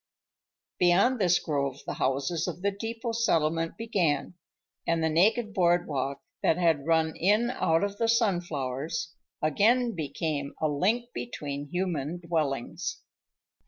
Beyond this grove the houses of the depot settlement began, and the naked board walk, that had run in out of the sunflowers, again became a link between human dwellings.